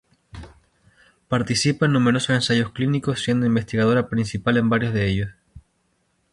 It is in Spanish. Participa en numerosos ensayos clínicos siendo investigadora principal en varios de ellos.